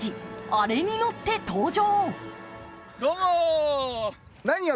あれに乗って登場。